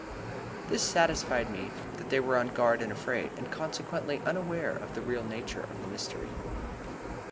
"This satisfied me that they were on guard and afraid, and consequently unaware of the real nature of the mystery.